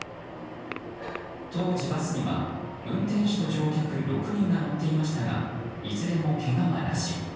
当時、バスには運転手と乗客６人が乗っていましたがいずれも、けがはなし。